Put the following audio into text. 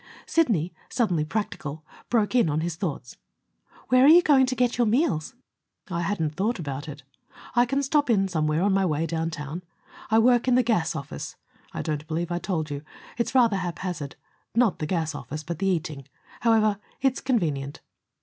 Sidney, suddenly practical, broke in on his thoughts: "Where are you going to get your meals?" "I hadn't thought about it. I can stop in somewhere on my way downtown. I work in the gas office I don't believe I told you. It's rather haphazard not the gas office, but the eating. However, it's convenient."